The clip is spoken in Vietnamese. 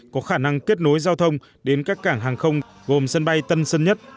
có khả năng kết nối giao thông đến các cảng hàng không gồm sân bay tân sơn nhất